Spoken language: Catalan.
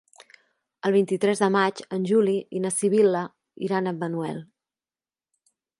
El vint-i-tres de maig en Juli i na Sibil·la iran a Manuel.